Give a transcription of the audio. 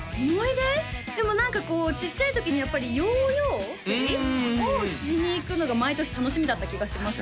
でも何かこうちっちゃい時にやっぱりヨーヨー釣りをしに行くのが毎年楽しみだった気がしますね